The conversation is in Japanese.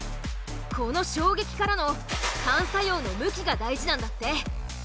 この衝撃からの反作用の向きが大事なんだって。